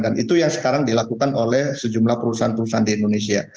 dan itu yang sekarang dilakukan oleh sejumlah perusahaan perusahaan di indonesia